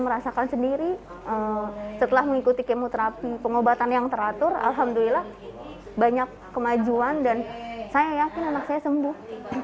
merasakan sendiri setelah mengikuti kemoterapi pengobatan yang teratur alhamdulillah banyak kemajuan dan saya yakin anak saya sembuh